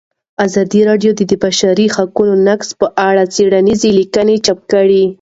ازادي راډیو د د بشري حقونو نقض په اړه څېړنیزې لیکنې چاپ کړي.